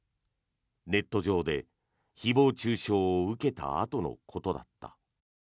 ネット上で誹謗・中傷を受けたあとのことだった。